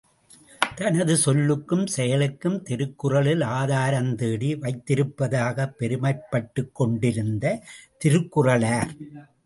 தனது சொல்லுக்கும் செயலுக்கும் திருக்குறளில் ஆதாரம் தேடி வைத்திருப்பதாகப் பெருமைப்பட்டுக் கொண்டிருந்த திருக்குறளார்.